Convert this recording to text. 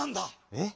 えっ？